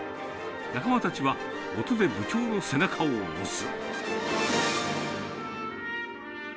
仲間たちは音で部長の背中を押す。